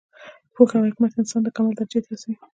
پوهه او حکمت انسان د کمال درجې ته رسوي.